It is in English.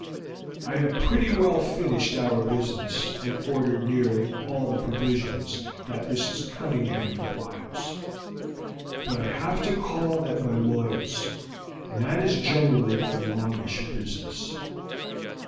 I have pretty well finished our business and ordered nearly all the provisions that Mrs. Cunningham requires. But I have to call at my lawyer's, and that is generally a longish business.